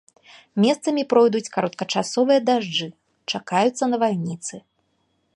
Месцамі пройдуць кароткачасовыя дажджы, чакаюцца навальніцы.